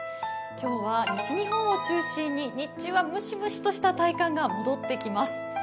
今日は西日本を中心に日中はむしむしとした体感が戻ってきます。